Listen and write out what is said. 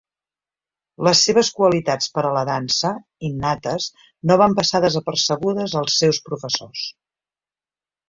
Les seves qualitats per a la dansa, innates, no van passar desapercebudes als seus professors.